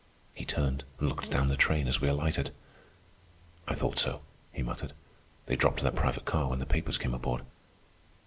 He turned and looked down the train as we alighted. "I thought so," he muttered. "They dropped that private car when the papers came aboard."